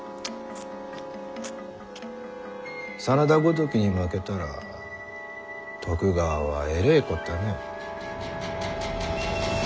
真田ごときに負けたら徳川はえれこったね。